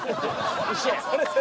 一緒や。